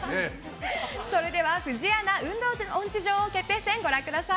それでは「フジアナ運動音痴女王決定戦」ご覧ください。